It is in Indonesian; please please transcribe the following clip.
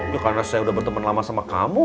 ya karena saya udah berteman lama sama kamu